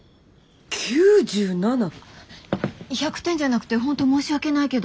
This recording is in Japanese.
９７？１００点じゃなくて本当申し訳ないけど。